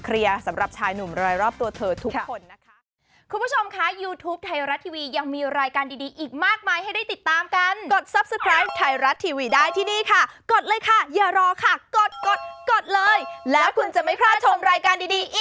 สำหรับชายหนุ่มรายรอบตัวเธอทุกคนนะคะ